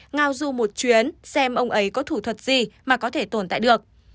ngao du một chuyến xem ông ấy có thủ thuật gì mà có thể tồn tại được